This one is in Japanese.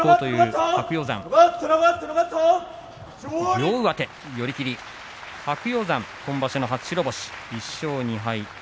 両上手、寄り切り白鷹山、今場所の初白星１勝２敗です。